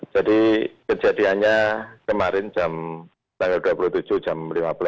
jadi kejadiannya kemarin jam tanggal dua puluh tujuh jam lima belas